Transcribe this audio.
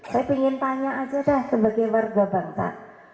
saya pingin tanya aja dah sebagai warga bangsa